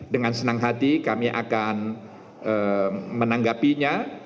dengan senang hati kami akan menanggapinya